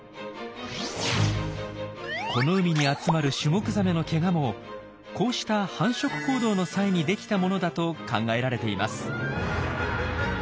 この海に集まるシュモクザメのケガもこうした繁殖行動の際にできたものだと考えられています。